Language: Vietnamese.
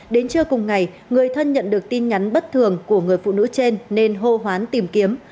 đến trưa cùng ngày người thân nhận được tin nhắn bất thường của người phụ nữ trên nên hô hoán tìm kiếm